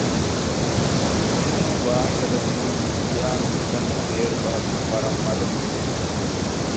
އެމީހުން ވާހަކަދައްކަނީ އިޔާން ނުދަންނަ ބޭރު ބަހަކުން ވަރަށް މަޑުން